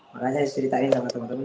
makanya saya ceritain sama temen temen